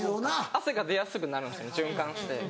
汗が出やすくなるんです循環して。